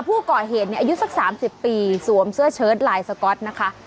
ผู้ก่อเหตุอายุสัก๓๐ปีสวมเสื้อเชิดลายสก๊อตนะคะ